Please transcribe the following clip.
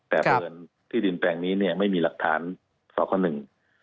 แต่เพราะฉะนั้นที่ดินแปลงนี้ไม่มีหลักฐานสอบข้อหนึ่ง